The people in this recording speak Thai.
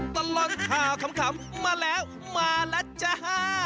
ตลอดข่าวขำมาแล้วมาแล้วจ้า